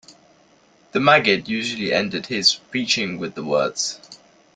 The maggid usually ended his preaching with the words.